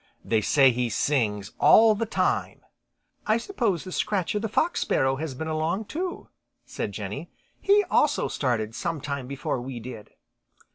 They say he sings all the time." "I suppose Scratcher the Fox Sparrow has been along too," said Jenny. "He also started sometime before we did."